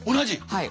はい。